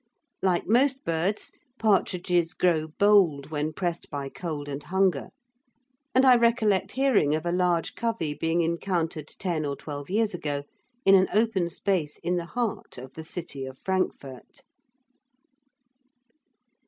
Like most birds, partridges grow bold when pressed by cold and hunger, and I recollect hearing of a large covey being encountered ten or twelve years ago in an open space in the heart of the city of Frankfort.